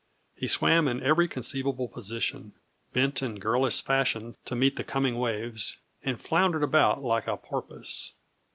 He swam in every conceivable position, bent in girlish fashion to meet the coming waves, and floundered about like a porpoise.